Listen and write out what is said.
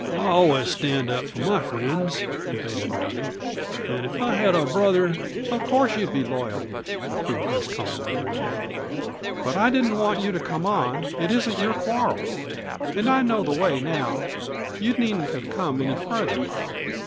"I always stand up for my friends," evaded Rowdy. "And if I had a brother " "Of course you'd be loyal," approved Miss Conroy warmly. "But I didn't want you to come on; it isn't your quarrel. And I know the way now. You needn't have come any farther."